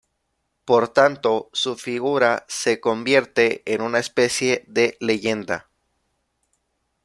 Por tanto, su figura se convierte en una especie de leyenda.